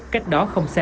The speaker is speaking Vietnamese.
cách đó không xa